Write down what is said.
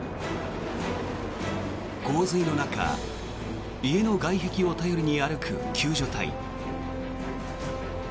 洪水の中、家の外壁を頼りに歩く救助隊。